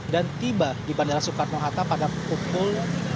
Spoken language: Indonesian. dan tiba di bandara soekarno hatta pada pukul lima belas dua puluh lima